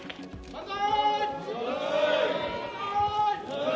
万歳！